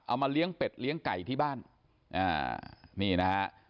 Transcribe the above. มาเลี้ยงเป็ดเลี้ยงไก่ที่บ้านอ่านี่นะฮะ